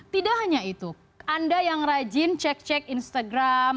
tidak hanya itu anda yang rajin cek cek instagram